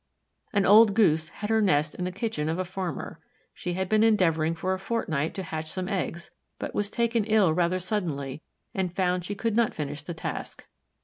An old Goose had her nest in the kitchen of a farmer. She had been endeavoring for a fortnight to hatch some eggs, but was taken ill rather suddenly and found she could not finish the task.